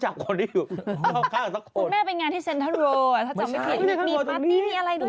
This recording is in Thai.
มีปาร์ตี้มีอะไรด้วย